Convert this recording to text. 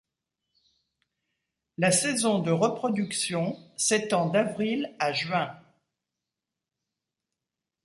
La saison de reproduction s’étend d’avril à juin.